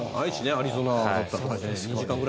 アリゾナだったら。